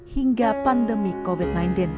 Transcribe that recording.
hingga pandemi covid sembilan belas